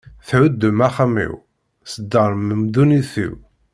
Thuddem axxam-iw, tesdermem ddunit-iw.